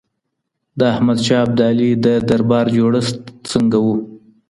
د احمد شاه ابدالي د دربار جوړښت څنګه و؟